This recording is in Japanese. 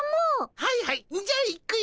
はいはいじゃあいくよ。